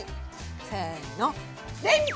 せの。